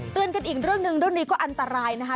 เตือนกันอีกเรื่องหนึ่งรุ่นนี้ก็อันตรายนะครับ